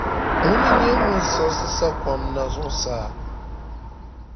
Ŋuna n-nyɛ ŋun siɣisi sa’ kom na zuɣusaa.